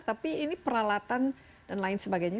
tapi ini peralatan dan lain sebagainya